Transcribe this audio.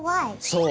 そう。